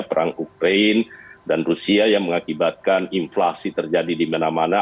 perang ukraine dan rusia yang mengakibatkan inflasi terjadi di mana mana